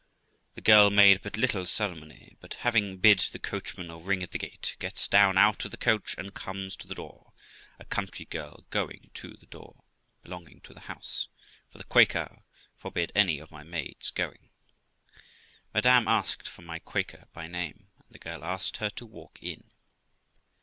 The girl made but little ceremony, but having bid the coachman ring at the gate, gets down out of the coach and comes to the door, a country girl going to the door (belonging to the house), for the Quaker forbid any of my maids going. Madam asked for my Quaker by name, and the girl asked her to walk in.